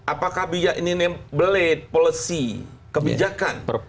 apakah ini namelate policy kebijakan